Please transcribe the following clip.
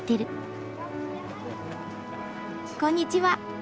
こんにちは。